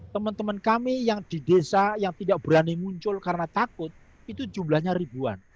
teman teman kami yang di desa yang tidak berani muncul karena takut itu jumlahnya ribuan